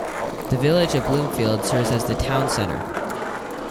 The village of Bloomfield serves as the town center.